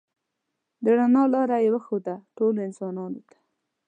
د رڼا لاره یې وښوده ټولو انسانانو ته.